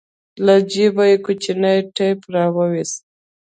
له جيبه يې کوچنى ټېپ راوايست.